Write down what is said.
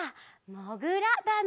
もぐらだね。